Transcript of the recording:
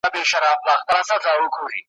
نوروز راسي زېری نه وي پر وزر د توتکیو `